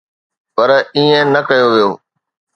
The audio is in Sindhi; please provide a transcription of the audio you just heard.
پر ائين نه ڪيو ويو.